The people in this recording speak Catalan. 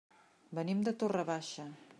Venim de Torre Baixa.